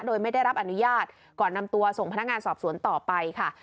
โดยไม่ได้รับอนุญาตก่อนนำตัวส่งพนักงานสอบสวนต่อไปค่ะ